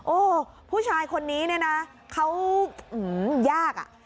โอ้วผู้ชายคนนี้นะนะยากอ่ะ